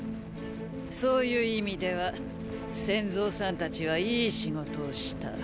そういう意味では戦象さんたちはいい仕事をした。